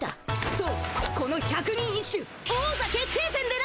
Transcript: そうこの百人一首王座決定戦でな。